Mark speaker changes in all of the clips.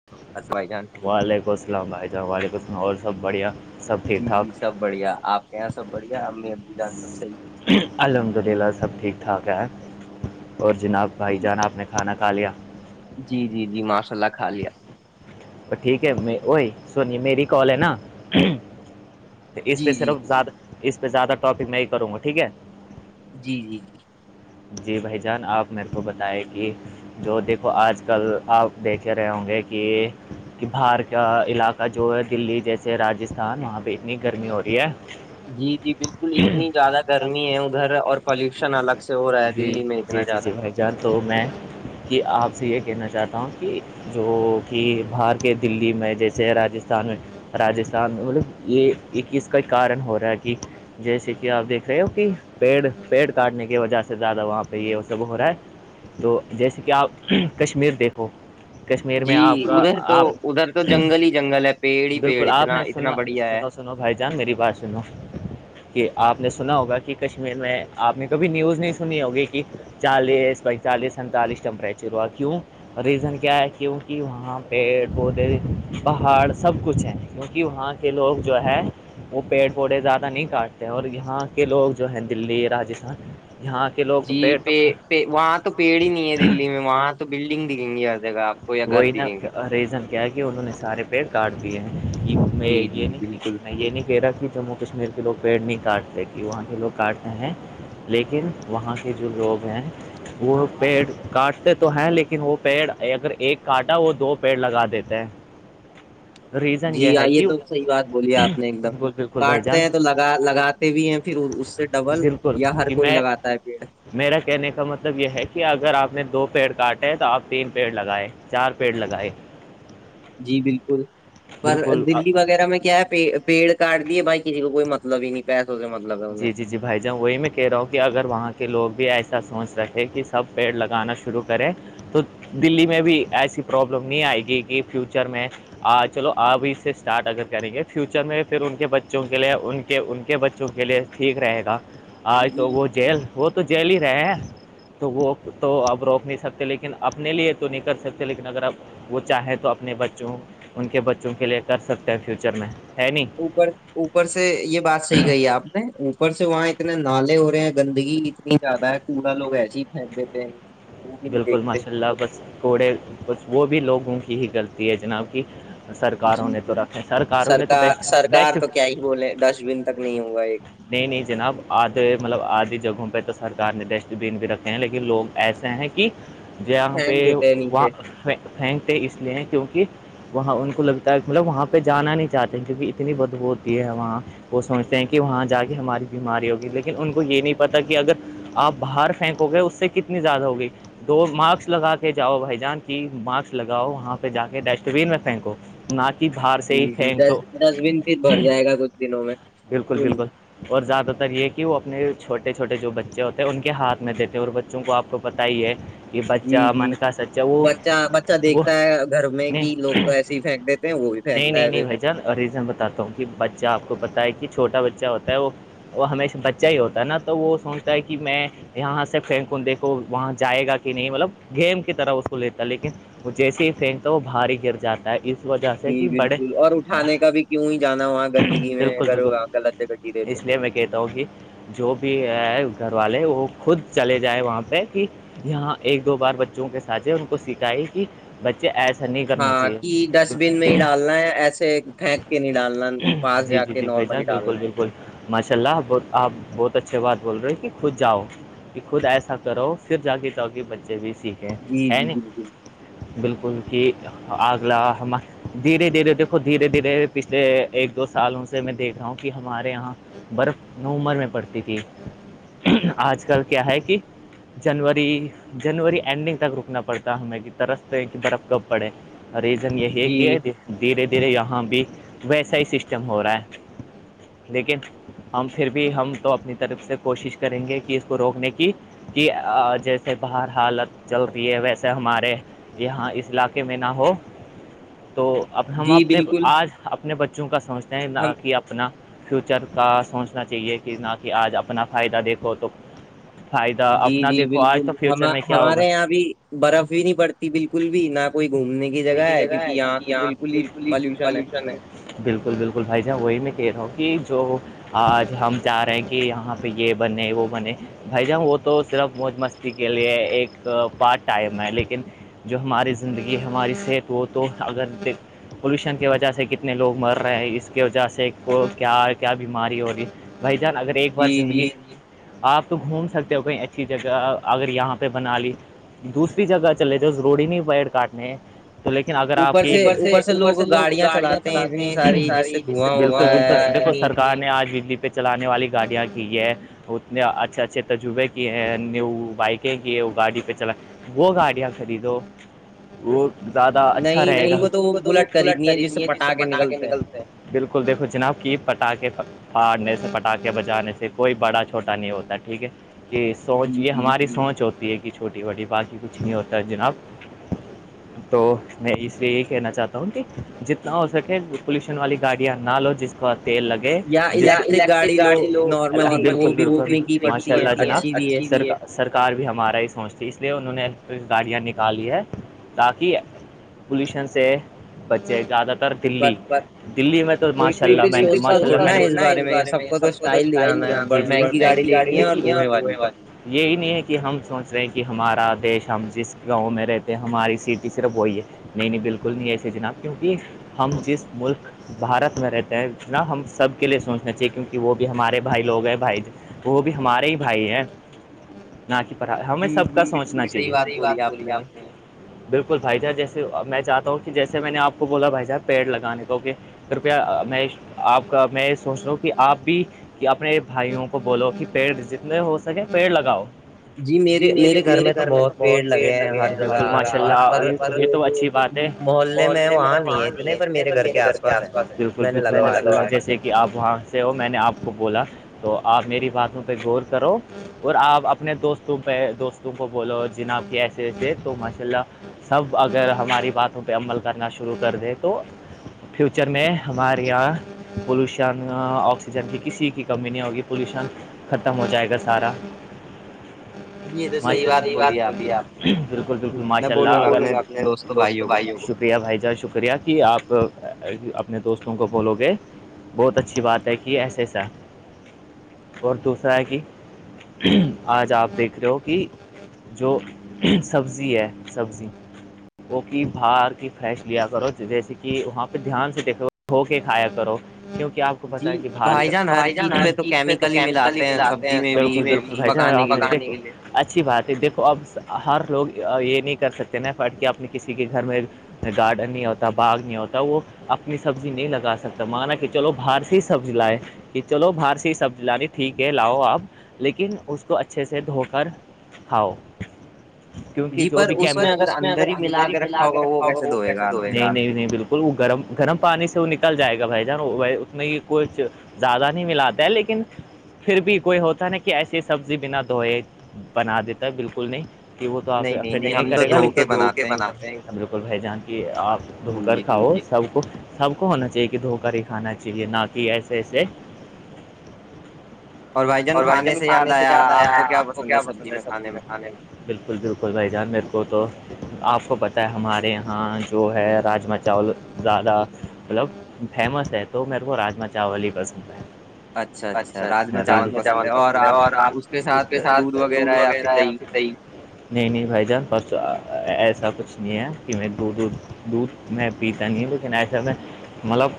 Speaker 1: [inaudible]
Speaker 2: ہس بھائی جان
Speaker 1: وعلیکم السلام بھائی جان و علیکم السلام اور سب بڑھیا
Speaker 2: جی جی سب بڑھیا آپ کے یہاں سب بڑھیا امی ابو جان سب صحیح
Speaker 1: الحمد للہ سب ٹھیک ٹھاک ہے اور جناب بھائی جان آپ نے کھانا کھا لیا
Speaker 2: جی جی جی ماشاء اللہ کھا لیا
Speaker 1: اوئے ٹھیک ہے میں اوئے سون یے میری کال ہے نا تو اس پہ سرف زیادہ اس پہ زیادہ ٹاپک نہیں کروں گا ٹھیک ہے
Speaker 2: جی جی جی
Speaker 1: جی بھائی جان آپ میرے کو بتائے کے جو دیکھو آج کل آپ دیکھے رہے ہوں گے کہ کہ باہر کا علاقہ جو ہے دلی جیسے راجستھان وہاں پہ اتنی گرمی ہو رہی ہے
Speaker 2: جی جی بالکل اتنی زیادہ گرمی ہے ادھر اور پالوشن الگ سے ہو رہا ہے دلی میں اتنا زیادہ
Speaker 1: جان تو میں کہ آپ سے یہ کہنا چاہتا ہوں کہ جو کہ باہر کے دلی میں جیسے راجستھان میں راستھان میں مطلب یہ ایک اسز کا کارن ہو رہا ہے کہ جیسے کہ آپ دیکھ رہے ہو کہ پیڑ پیڑ کاٹنے کی وجہ سے سب سے زیادہ وہاں پہ یہ وہ سب ہو رہا ہے تو جیسے کہ آپ کشمیر دیکھو کشمیر میں آپ کا آپ بالکل آپ نے سنا سنا س سنو بھائی جان میری بات سنو کہ آپ نے سنا ہوگا کہ کشمیر میں آپ نے کبھی نیوز نہیں سنی ہوگی کہ چالیس پینتالیس سینتالیس ٹیمپرچر ہوا کیوں ریزن کیا ہے کیوںکہ وہاں پیڑ پودے پہاڑ سب کچھ ہے کیونکہ وہاں کے لوگ جو ہیں وہ پیڑ پودڑے زیادہ نہیں کاٹتے اور یہاں کے لوگ جو ہیں دلی راجستھان یہاں
Speaker 2: جی پ وہاں تو پیڑ ہی نہیں ہے دللی میں وہاں تو بلڈنگ دکھیں گی بس
Speaker 1: وہی نا ریزن کیا کہ انہوں نے سارے پیڑ کاٹ دیے ہیں میں یہ نہیں میں یہ نہیں کہہ رہا کہ جموں کشمیر کے لوگ پیڑ نہیں کاٹتے کہ وہاں کے لوگ کاٹتے ہیں لیکن وہاں کے جو لوگ ہیں وہ پیڑ کاٹتے تو ہیں لیکن وہ پیڑ اگر ایک کاٹا وہ دو پیڑ لگا دیتے ہیں
Speaker 2: جی آئیے تو صحیح بات بولی آپ نے ایک دم ہی کاٹتے ہیں تو لگا لگات بھی ہیں پھر اس سے ڈبل یا ہر کوئی لگاتا ہے پیڑ
Speaker 1: میرا کہنے کا مطلب یہ ہے کہ اگر آپ نے دو پیڑ کاٹے ہے تو آپ تین پیڑ لگائے چار پیڑ لگائے
Speaker 2: جی بالکل پر دلی وغیرہ میں کیا ہے پ پیڑ کارڈ دی ہے بائی کسی کو کوئی مطلب ہی نہیں پیسے سے مطلب
Speaker 1: جی جی جی بھائی جانؤں وہی میں کہہ رہا ہوں کہ اگر وہاں کے لوگ بھی ایسا سوچ رکھے کہ سب پیڑ لگانا شروع کرے تو دلی میں بھی ایسی پرابلم نہیں آئے گی کہ فیوچر میں چلو آپ اس سے اسٹارٹ اگر کریں گے فیوچر میں پھر ان کے بچوں کے لیے ان کے ان کے بچوں کے کے لیے ٹھیک رہے گا آج تو وہ جیل وہ تو جیل ہی رہے ہیں تو وہ تو اپ روک نہیں سکتے لیکن اپنے لیے تو نہیں کر سکتے لیکن اگر آپ وہ چاہیں تو اپنے بچوں ان کے بچوں کے لیے کر سکتے ہیں فیوچر میں
Speaker 2: اوپر اوپر سے یہ بات صحیح کہی ہے آپ نے اوپر سے وہاں اتنے نالے ہو رہے ہیں گندگی اتنی زیادہ ہے کوڑا لوگ ایسے ہی پھینک دیتے ہیں
Speaker 1: بالکل ماشاء اللہ بس کوڑے بس وہ بھی لوگوں کی ہی غلطی ہے جناب کہ سرکاروں نے تو رکھے سرکاروں نے تو بیسٹ بیسٹ
Speaker 2: بولے ڈسٹ بین تک نہیں ہوگا ایک
Speaker 1: نہیں نہیں جناب آدھے مطلب آدھی جگہوں پہ تو سرکار نے ڈسٹ بین بھی رکھے ہیں لیکن لوگ ایسا ہیں کہ جہاں پہ وہ پھینکتے اس لیے کیونکہ وہاں ان کو لگتا ہے کہ مطلب وہاں پہ جانا نہیں چاہتے کیونکہ اتنی بدبو ہوتی ہے وہاں وہ سمج کہ وہاں جا کے ہماری بیماری ہوگی لیکن ان کو یہ نہیں پتا کہ اگر آپ باہر پھینکو گے اس سے کتنی زیادہ ہوگی دو ماسک لگا کے جاؤ بھائی جان کی ماسس لگاؤ وہاں پہ جا کے ڈسٹبین میں پھینکو نہ کہ باہار سے ہی پھیک تو [unintelligible]
Speaker 2: کچھ دنوں میں [unintelligible]
Speaker 1: بالل بالکل اور زیادہ تر یہ کہ وہ اپنے چھوٹے چھوٹے جو بچے ہوتے ہیں ان کے ہاتھ میں دیتے ہیں اور بچوں کو آپ کو بتائیے [unintelligible]
Speaker 2: جی جی بچہ بچہ دیکھتا ہے گھر میں کہ لوگ تو ایسے ہی پھینک دی تھ وہی بھییکتا ہے [unintelligible]
Speaker 1: ریزن بتاتا ہوں کہ بچہ آپ کو پت ہے کہ چھوٹا بچہ ہوتا ہے وہ وہ ہمیشہ بچہ ہی ہوتا ہے نا تو وہ سنتا ہے کہ میں یہاں سے فکن دیکھو وہاں جائے گا کہ نہیں مطلب گیم کی طرح اس کو لیتا لیکن وہ جیسے ہی پھینکتا ہے وہ بھاری گر جاتا ہے اس
Speaker 2: جی بالکل اور اٹھانے کا بھی کیوں ہی جانا وہاں گندگی میں اگر غلط
Speaker 1: اس لیے میں کہتا ہوں گی جو بھی ہے گھر والے وہ خود چلے جائے وہاں پہ کہ یہاں ایک دو بار بچوں کے ساتھے ان کو سکھائی کہ ایڈسن [unintelligible]
Speaker 2: ہاں کہ ڈسٹ بین میں ہی ڈالنا ہے یا ایسے پھینک کے نہیں ڈالنا پاس جا کے نارملی
Speaker 1: بالکل بالکل ماشاء اللہ بہ آپ بہت اچھے بات بول رہے ہیں کہ خود جاؤ کہ خود ایسا کرو پھر جاگ توگ بچے بھی سیکھیں ہے ن بالکل کہ اگلا ہم دھیرے دھیرے دیکھو دھیرے دھیرے پچھلے ایک دو سالوں سے میں دیکھ گاؤ کی ہمارے یہاں برف نمر میں پڑتی تھی آج کل کیا ہے کہ جنوری جنوری اینڈنگ تک رکنا پڑتا ہمیں کہ ترستے ہیں کہ برف کب پڑے ریزن یہی ہے کہ دھیرے دھیرے یہاں بھی ویسا ہی سسٹم ہو رہا ہے لیکن ہم پھر بھی ہم تو اپنی طرف سے کوشش کریں گے کہ اس کو روکنے کی کہ جیسے باہر حالت چل رہی ہے ویسے ہمارے یہ ہاں اس علاقے میں نہ ہو تو اب ہم اپنے آج اپنے بچوں کا سمجھتے ہیں کہ آپ اپنا فیوچر کا سوچنا چاہیے کہ نہ کہ آج اپنا فائدہ دیکھو تو فائدہ اپنا دیکھو آج تو فیوچر میں کیا ہوگا
Speaker 2: برف ہی نہیں پڑتی بالکل بھی نہ کوئی گھومنے کی
Speaker 1: دنے کی جگہ ہے کیونکہ یہاں سے بالکل ہی پالوشن ہے بالکل بالکل بھائی جان وہی میں کہہ رہا ہوں کہ جو آج ہم چاہ رہے ہیں کہ یہاں پہ یہ بنے وہ بنے بھائی جان وہ تو صرف موج مستی کے لیے ایک پارٹ ٹائم ہے لیکن جو ہماری زندگی ہماری صحت وہ تو اگر پولوشن کی وجہ سے کتنے لوگ مر رہے ہیں اس کی وجہ سے کو کیا کیا بیماری ہو رہی بھائی جان اگر ایک بار زندگی آپ تو گھوم سکتے ہو کہیں اچھی جگہ اگر یہاں پہ بنا لی دوسری جگہ چلے ج روڑی نہیں پائر کاٹنے لیکن اگر آپ کے اوپر سے اوپر سے لوگ گاڑیاں چلاتے ہیں اتنی ساری جس سے بالکل بھی سرار نے آج بجلی پہ چلانے والی گاڑیاں کی ہے اتنے اچھے اچھے تجربے کیے ہیں بائکیں کی ہے وہ گاڑی پہ چلا وہگ آڈ آ خر دو وہ [inaudible] زیادہ اچھا رہے گا ان کو تو وہ بلٹ خریدنی ہے جس سے پٹا کے نکلتے ہیں بالکل دیکھو جناب کی پٹاخے پھڑنے سے پٹاخے بجانے سے کوئی بڑا چھوٹا نہیں ہوتا ٹھیک ہے کہ سوچ یہ ہماری سوچ ہوتی ہے کہ چھوٹی بٹی باقی کچھ نہیں ہوتا ہے جناب تو میں اس لیے یہی کہنا چاہتا ہوں کہ جتنا ہو سکے پلیوشن والی گاڑیاں نہ لو جس بت تل لگا [inaudible] جیکٹرک گاڑی لو بالکل بک ماشا اللہ ج اچ سر [inaudible] سرکار بھی ہمارا ہی سوچتی اس لیے انہوں نے الیکٹرک گاڑیاں نکالی ہے تاکہ پولوشن سے بچے زیادہ تر دلی دی میں تو ماشاء اللہ میں ماشاء اللہ نے اس بارے میں س [inaudible] ائگی گای اور [inaudible] یہی نہیں ہے کہ ہم سوچ رہے ہیں کہ ہمارا دیش ہم جس گاؤں میں رہتے ہیں ہماری سٹی صرف وہی ہے نہیں نہیں بالکل نہیں ایسے جناب کیونکہ ہم جس ملک بھارت میں رہتے ہیں اتنا ہم سب کے لیے سوچنا چاہیے کیونکہ وہ بھی ہمارے بھائی لوگ ہیں بھائی وہ بھی ہمارے ہی بھائی ہیں نہ کہ ہمیں سب کا سوچنا چاہیے صحیح بات بولی آپ نے بالکل بھائی جان جیسے میں چاہتا ہوں کہ جیسے میں نے آپ کو بولا بھائی جان پیڑ لگانے کو کہ کرپیا میں آپ کا میں یہ سوچ رہا ہوں کہ آپ بھی کہ اپنے بھائیوں کو بولو کہ پیڑ جتنے ہو سکے پیڑ لگاؤ جی میرے میرے گھر میں تو بہت پیڑ لگے ہیں ماشاء اللہ یہ تو اچھی بات ہے محلے میں وہاں نہیں ہے اتنے پر میرے گھر کے آس پاس بالکل بالکل جیسے کہ آپ وہاں سے ہو میں نے آپ کو بولا تو آپ میری باتوں پہ غور کرو اور آپ اپنے دوستوں پہ دوستوں کو بولو جناب کہ ایسے ایسے ہے تو انشاء اللہ سب اگر ہماری باتوں پہ عمل کرنا شروع کر دے تو فیوچر میں ہمارے یہاں پولوشن آکسیجن کی کسی کی کمی نہیں ہوگی پولوشن ختم ہو جائے گا سارا بالکل بالکل ماشاء اللہ اگر اپنے دوستوں بھائیوں شکریہ بھائی جان شکریہ کہ آپ اپنے دوستوں کو بولو گے بہت اچھی بات ہے کہ ایسے ایسا اور دوسرا ہے کہ آج آپ دیکھ رہے ہو کہ جو سبزی ہے سبزی وہ کی بار کی فش لیا کرو جیسے کہ وہاں پہ دھیان سے دیکھو دھو کے کھایا کرو کیوں کہ آپ کو پتا ہے کہ باہر بھائی جان ہر چیز پہ تو کیمیکل ہی ملاتے ہیں سبی میں [inaudible] اچھی بات ہے دیکھو اب ہر لوگ یہ نہیں کر سکتے ن فرٹ کیا اپنے کسی کے گھر میں گارڈن نہیں ہوتا باغ نہیں ہوتا وہ اپنی سبزی نہیں لگا سکتا مانا کہ چلو باہر سے ہی سبزی لائے کہ چلو باہر سے سبزی لانی ٹھیک ہے لاؤ آپ لیکن اس کو اچھے سے دھو کر ہؤ کیونکہ [unintelligible] اس میں اگر اندر ہی ملا کے رکھا ہوگا وہ کیسے دھوے نہیں نہیں بالکل وہ گرم گرم پانی سے وہ نکل جائے گا بھائی جان ب ا میں ہی کچھ زیادہ نہیں ملاتا ہے لیکن پھر بھی کوئی ہوتا ہے نا کہ ایسی سبزی بنا دھوئے بنا دیتا ہے بالکل نہیں کہ وہ ھر کرے گا تو دو کے بناتے ہیں بالکل بھائی جان کی آپ [inaudible] دھو کر کھاؤ سب کو سب کو ہونا چاہیے کہ دھوکہ ہی کھانا چاہیے نہ کہ ایسے ایسے اور بھائی جان کھانے سے یاد آیا آپ کو کیا پسند ہے سبزی میں کھانے بالکل بالکل بل بھائی جان میرے کو تو آپ کو پت ہے ہمارے یہاں جو ہے راجما چاول زیادہ مطلب فیمس ہے تو میرے کو راجما چاول ہی پسند ہے اچھا اچھا راجم چاول پسند ہے اور آپ اس کے ساتھ دودھ وغیرہ یا پھر دہی نہیں نہیں بھائی جان بس ایسا کچھ نہیں ہے کہ میں دوود دھ دودھ میں پیتا نہیں ہوں لیکن ایسا میں مطلب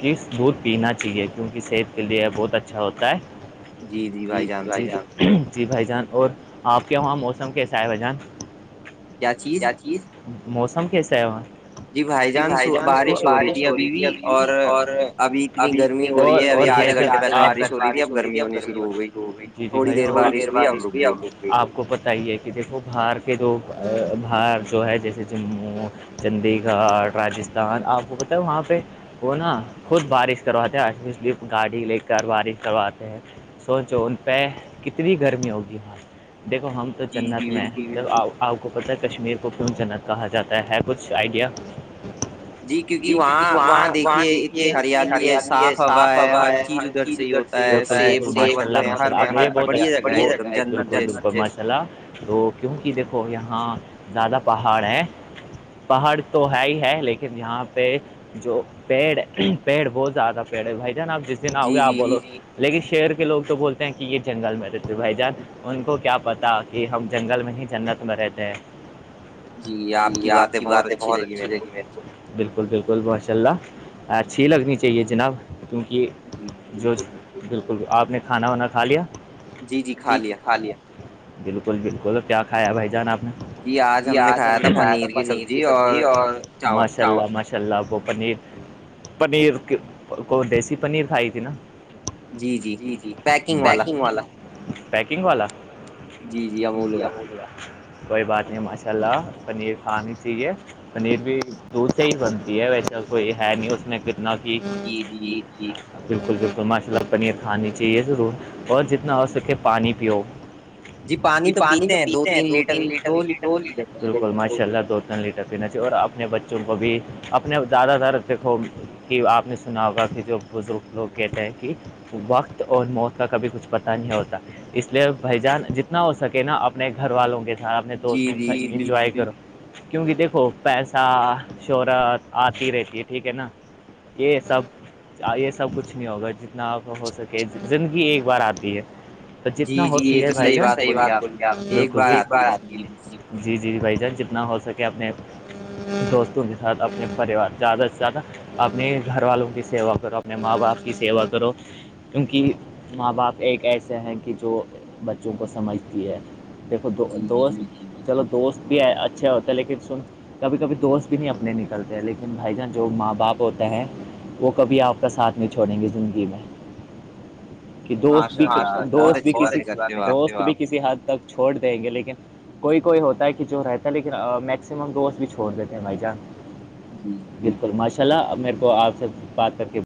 Speaker 1: کہ دودھ پینا چاہیے کیونکہ صحت کے لیے بہت اچھا ہوتا ہے جی ج بھائی جان جی بھائی جان اور آپ کے وہاں موسم کیسے چ ب جان کیا چز موسم کیسا ہے وہاں جی بھائی جان بارش ہو رہی تھی ابھی بھی اور ابھی بارش ہو رہی تھی اب گرمی شروع ہو گئی تھوڑی دیر بارش بھیئی ا [inaudible] آپ کو پت ہی ہے کہ دیکھو باہر کے جو باہر جو ہے جیسے جموں چندی گڑ راجستھان آپ کو پتا ہے وہاں پہ وہ نا خود بارش کرواتے ہیں سلی گاڑی لے کر بارش کرواتے ہیں سوچو ان پہ کتنی گرمی ہوگی وہاں دیکھو ہم جنت میں مطلب آپ کو پتاہ ہے کشمیر کو کیوں جنت کہا جاتا ہے کچھ آئیڈیا ہ [inaudible] جی کیونک وہاں وہاں دیکھیے اتنی ہریالی ہے صاف ہوا ہے ہر چیز ادھر تا ب بڑ لگ مسالا تو کیونکہ دیکھو یہاں زیادہ پہاڑ ہے پہاڑ تو ہے ہی ہے لیکن یہاں پہ جو پیڑ پیڑ بہت زیادہ تھا پیڑ بھائی جان آپ جس دن آؤ گے آپ بولو لیکن شہر کے لوگ تو بولتے ہیں کہ یہ جنگل میں رہتے بھائی جان ان کو کیا پتاہ کہ ہم جنگل میں ہی جنت میں رہتے ہیں جی آپ کی باتیں بہت اچھی لگی میرے کو بالکل بالکل ماشاء اللہ اچھی لگنی چاہیے جناب کیونکہ جو ج بالکل آپ نے کھانا وانا کھا لیا
Speaker 2: جی جی کھا لیا
Speaker 1: بالکل بالکل کیا کھایا بھائی جان آپ نے جی آج ہم نے کھایا تھا پنیر کی سبزی اور مس چ اللہ وہ پنیر پنیر کو دیسی پنیر کھائی تھی نا جی جی پیکنگ والا پیکنگ والا ہویا کوئی بات نہیں ماشاء اللہ پنیر کھاانی چاہیے پنیر بھی دودھ سے ہی بنتی ہے ویسا کوئی ہے نہیں اس میں کتنا جی جی جی بالکل بالکل ماشاء اللہ پنیر کھانی چاہیے ضرور اور جتنا ہو سکے پانی پیو جی پانی تو پیتے ہیں دو تین لیٹر دو لیٹر بالکل ماشاء اللہ دو ت لیٹر پینا چاہیے اور اپنے بچوں کو بھی اپنے زیادہ تر دیکھو کہ آپ نے سنا ہوگا کہ جو بزرگ لوگ کہتے ہیں کہ وقت اور موت کا کبھی کچھ پتا نہیں ہوتا اس لیے بھائی جان جتنا ہو سکے نا اپنے گھر والوں کے ساتھ اپنے دوستوں کے ساتھ انجوائے کرو کیونکہ دیکھو پیسہ شہرت آتی رہتی ہے ٹھیک ہے نا یہ سب یہ سب کچھ نہیں ہوگا جتنا آپ ہو سکے زندگی ایک بار آتی ہے تو جتنا ہوج بھائی نا صحیح بات بولے آپ بالکل ایک بار آتی جی جی بھائی جان جتنا ہو سکے اپنے دوستوں کے ساتھ اپنے پریوار زیادہ سے زیادہ اپنے گھر والوں کی سیوا کرو اپنے ماں باپ کی سیوا کرو کیونکہ ماں باپ ایک ایسے ہیں کہ جو کو سمجھتی ہے دیکھو دو دوست چلو دوست بھی اچھا ہوتا ہے لیکن سن کبھی کبھی دوست بھی نہیں اپنے نکلتے ہیں لیکن بھائی جان جو ماں باپ ہوتا ہے وہ کبھی آپ کا ساتھ نہیں چھوڑیں گے زندگی میں کہ دوست بھی دوست بھی کسی دوست بھی کسی حد تک چھوڑ دیں گے لیکن کوئی کوئی ہوتا ہے کہ جو رہتا ہے لیکن میکسیمم دوست بھی چھوڑ دیتے ہیں بھائی جان
Speaker 2: جی جی
Speaker 1: بالکل ماشاء اللہ میرے کو آپ سے بات کر کے